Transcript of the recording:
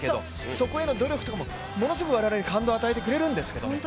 そこへの努力とかもものすごく我々に感動を与えてくれるんですけれども。